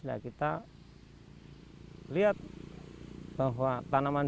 nah kita lihat bahwa tanaman